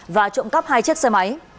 và trộm cắp hai chiếc xe máy